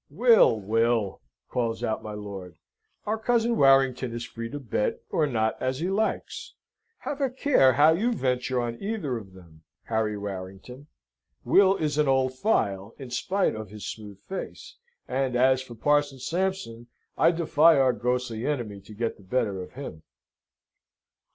"Will, Will!" calls out my lord, "our cousin Warrington is free to bet, or not, as he likes. Have a care how you venture on either of them, Harry Warrington. Will is an old file, in spite of his smooth face, and as for Parson Sampson, I defy our ghostly enemy to get the better of him."